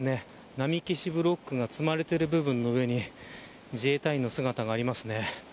波消しブロックが積まれている部分の上に自衛隊員の姿がありますね。